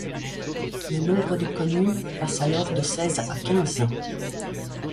Le nombre de communes passe alors de seize à quinze.